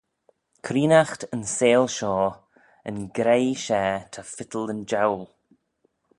Creenaght yn seihll shoh, yn greie share ta fittal yn joul.